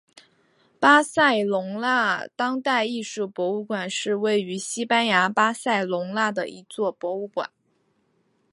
巴塞隆纳当代艺术博物馆是位于西班牙巴塞隆纳的一座博物馆。